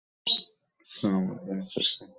শালা মজা নিচ্ছিস নাকি।